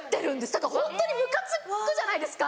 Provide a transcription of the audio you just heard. だからホントにムカつくじゃないですか！